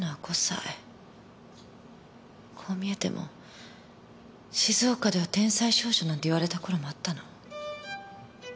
こう見えても静岡では天才少女なんて言われた頃もあったの。